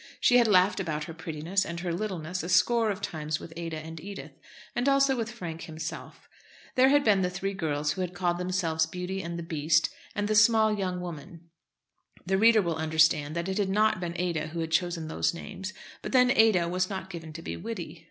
She had laughed about her prettiness and her littleness a score of times with Ada and Edith, and also with Frank himself. There had been the three girls who had called themselves "Beauty and the Beast" and the "Small young woman." The reader will understand that it had not been Ada who had chosen those names; but then Ada was not given to be witty.